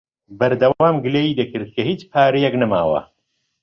بەردەوام گلەیی دەکرد کە هیچ پارەیەک نەماوە.